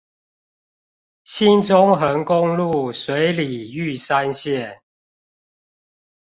新中橫公路水里玉山線